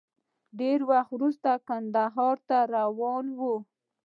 ډېر وخت وروسته کندهار ته روان وم.